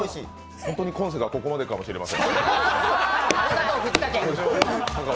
本当に今世がここまでかもしれません。